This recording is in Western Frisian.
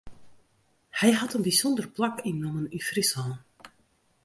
Hy hat in bysûnder plak ynnommen yn Fryslân.